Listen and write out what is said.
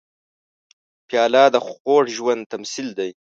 پیاله د خوږ ژوند تمثیل دی.